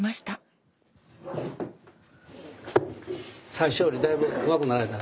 最初よりだいぶうまくなられた。